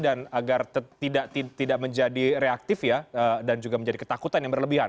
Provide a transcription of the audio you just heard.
dan agar tidak menjadi reaktif dan juga menjadi ketakutan yang berlebihan